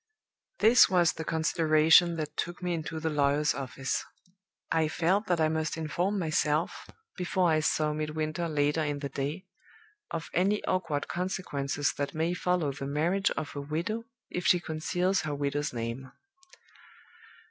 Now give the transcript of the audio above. "This was the consideration that took me into the lawyer's office. I felt that I must inform myself, before I saw Midwinter later in the day, of any awkward consequences that may follow the marriage of a widow if she conceals her widow's name.